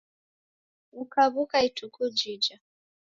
Ukaw'uka ituku jija